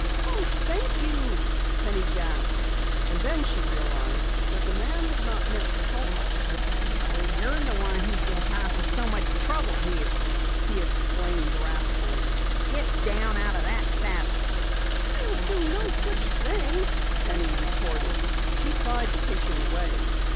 "Oh, thank you!" Penny gasped, and then she realized that the man had not meant to help her. "So you're the one who's been causing so much trouble here!" he exclaimed wrathfully. "Get down out of that saddle!" "I'll do no such thing!" Penny retorted. She tried to push him away.